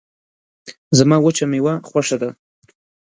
زما وچه میوه خوشه ده